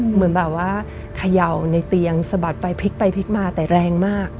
เหมือนแบบว่าเขย่าในเตียงสะบัดไปพลิกไปพลิกมาแต่แรงมาก